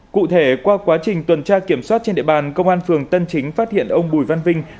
cụ thể qua quá trình tuần tra kiểm soát trên địa bàn công an phường tân chính phát hiện ông bùi văn vinh